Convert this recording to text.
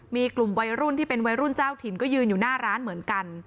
มีกลุ่มวัยรุ่นที่เป็นวัยรุ่นเจ้าถิ่นก็ยืนอยู่หน้าร้านเหมือนกัน